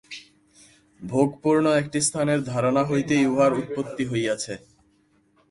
ভোগপূর্ণ একটি স্থানের ধারণা হইতেই ইহার উৎপত্তি হইয়াছে।